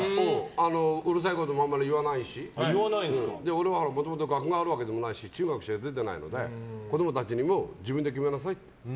うるさいこともあんまり言わないし俺はもともと学があるわけでもないし中学しか出てないので子供たちにも自分で決めなさいって。